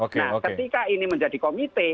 nah ketika ini menjadi komite